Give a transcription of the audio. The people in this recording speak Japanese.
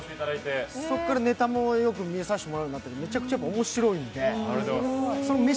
そこからネタもよく見させてもらってますけどめちゃくちゃ面白いので。